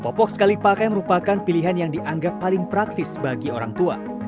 popok sekali pakai merupakan pilihan yang dianggap paling praktis bagi orang tua